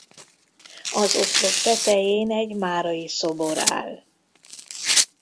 Az oszlop tetején egy Mária-szobor áll.